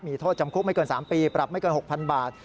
มีโทษจำคุกไม่เกิน๓ปีปรับไม่เกิน๖๐๐๐บาท